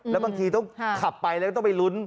แล้วบางทีต้องขับไปแล้วก็ต้องไปลุ้น